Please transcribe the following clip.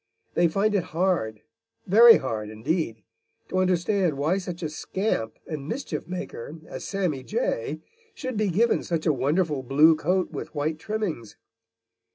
They find it hard, very hard indeed, to understand why such a scamp and mischiefmaker as Sammy Jay should be given such a wonderful blue coat with white trimmings.